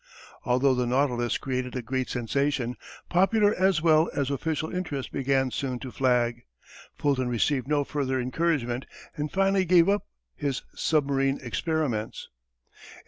Although the Nautilus created a great sensation, popular as well as official interest began soon to flag. Fulton received no further encouragement and finally gave up his submarine experiments. [Illustration: © U.